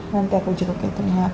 nanti aku jemur catherine ya